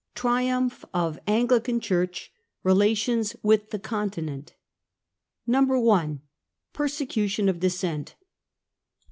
TRIUMPH OF ANGLICAN CHURCH. RELATIONS WITH THE CONTINENT. i. Persecution of Dissent.